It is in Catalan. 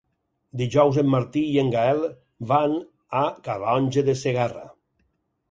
Dijous en Martí i en Gaël van a Calonge de Segarra.